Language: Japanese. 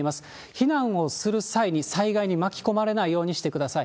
避難をする際に災害に巻き込まれないようにしてください。